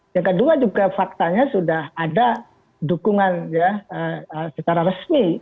yang kedua juga faktanya sudah ada dukungan secara resmi